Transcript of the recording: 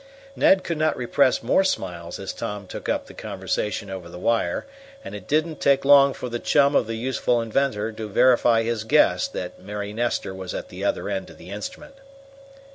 Ned could not repress more smiles as Tom took up the conversation over the wire, and it did not take long for the chum of the youthful inventor to verify his guess that Mary Nestor was at the other end of the instrument.